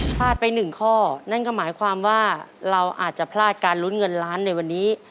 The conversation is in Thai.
พลาดไปหนึ่งข้อนั่นก็หมายความว่าเราอาจจะพลาดการลุ้นเงินล้านในวันนี้